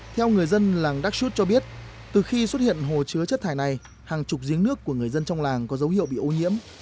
theo người dân làng đắc sút cho biết từ khi xuất hiện hồ chứa chất thải này hàng chục giếng nước của người dân trong làng có dấu hiệu bị ô nhiễm